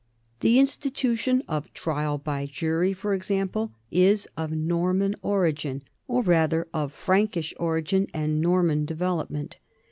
The institution of trial by jury, for example, is of Norman origin, or rather of Prankish origin and Norman development.